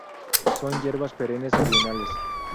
Son hierbas perennes o bienales.